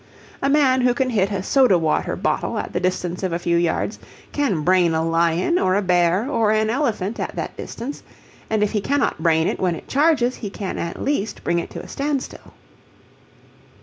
A man who can hit a soda water bottle at the distance of a few yards can brain a lion or a bear or an elephant at that distance, and if he cannot brain it when it charges he can at least bring it to a standstill.